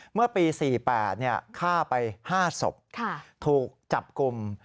เมื่อปี๔๘ฆ่าไป๕ศพถูกจับกลุ่ม